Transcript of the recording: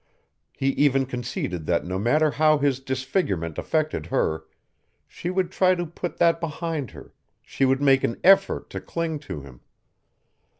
He even conceded that no matter how his disfigurement affected her, she would try to put that behind her, she would make an effort to cling to him.